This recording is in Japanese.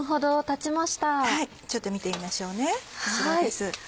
ちょっと見てみましょうねこちらです。